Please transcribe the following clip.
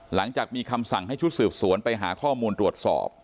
หลังจากมีคำสั่งให้ชุดสืบสวนไปหาข้อมูลตรวจสอบ